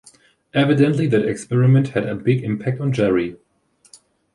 Evidently that experiment had a big impact on Jerry.